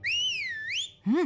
うん？